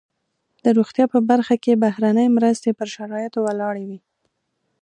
د روغتیا په برخه کې بهرنۍ مرستې پر شرایطو ولاړې وي.